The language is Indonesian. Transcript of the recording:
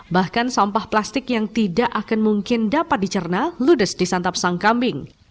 bahkan sampah plastik yang tidak akan mungkin dapat dicerna ludes di santap sang kambing